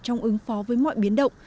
trong ứng phó với mọi biến động